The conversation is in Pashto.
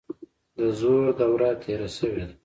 د زور دوره تیره شوې ده.